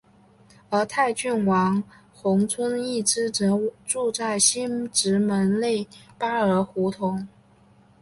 而泰郡王弘春一支则住在西直门内扒儿胡同。